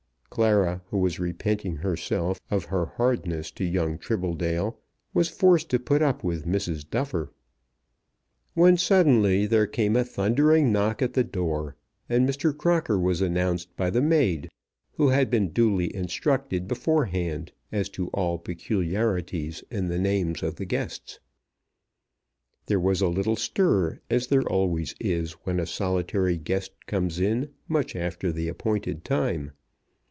Clara, who was repenting herself of her hardness to young Tribbledale, was forced to put up with Mrs. Duffer. When suddenly there came a thundering knock at the door, and Mr. Crocker was announced by the maid, who had been duly instructed beforehand as to all peculiarities in the names of the guests. There was a little stir, as there always is when a solitary guest comes in much after the appointed time.